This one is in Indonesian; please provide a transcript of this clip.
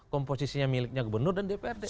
komposisinya miliknya gubernur dan dprd